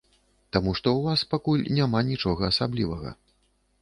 Таму што ў вас пакуль няма нічога асаблівага.